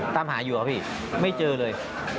ตามหาอยู่ครับพี่ไม่เจอเลย